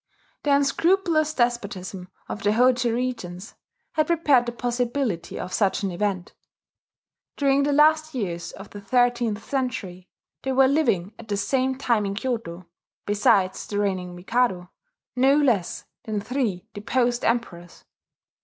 The unscrupulous despotism of the Hojo regents had prepared the possibility of such an event. During the last years of the thirteenth century, there were living at the same time in Kyoto, besides the reigning Mikado, no less than three deposed emperors.